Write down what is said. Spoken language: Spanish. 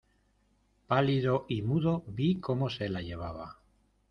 pálido y mudo vi cómo se la llevaba: